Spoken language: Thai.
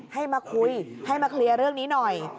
ให้มาคุยให้มาเคลียร์เรื่องนี้หน่อย